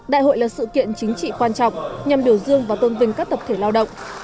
đại hội là sự kiện chính trị quan trọng nhằm biểu dương và tôn vinh các tập thể lao động